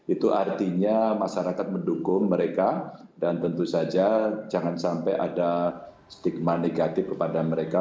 itu artinya masyarakat mendukung mereka dan tentu saja jangan sampai ada stigma negatif kepada mereka